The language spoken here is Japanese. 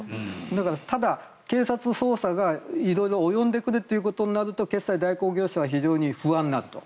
だから、ただ、警察捜査が色々及んでくるということになると決済代行業者は非常に不安になると。